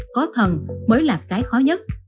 có thần mới là cái khó nhất